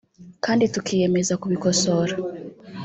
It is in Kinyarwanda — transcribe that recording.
kandi tukiyemeza kubikosora